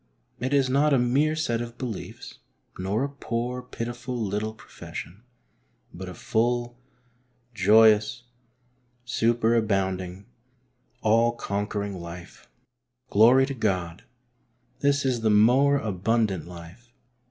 It is not a mere set of beliefs, nor a poor, pitiful little profession, but a full, joyous, super abounding, all conquering life. Glory to God 1 This is the more abundant life.